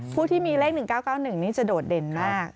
ผู้ที่มีเลข๑๙๙๑นี่จะโดดเด่นมาก